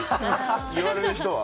言われる人は。